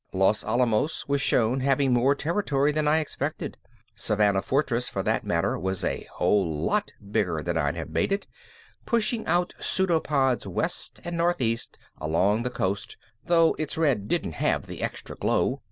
Los Alamos was shown having more territory than I expected. Savannah Fortress for that matter was a whole lot bigger than I'd have made it, pushing out pseudopods west and northeast along the coast, though its red didn't have the extra glow.